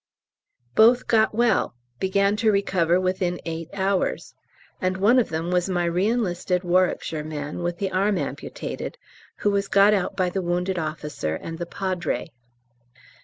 Both got well, began to recover within eight hours. And one of them was my re enlisted Warwickshire man with the arm amputated, who was got out by the wounded officer and the Padre.